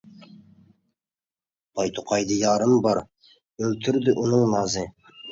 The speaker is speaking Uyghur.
بايتوقايدا يارىم بار، ئۆلتۈردى ئۇنىڭ نازى!